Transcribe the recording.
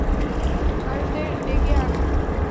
মানুষদের ডেকে আনো।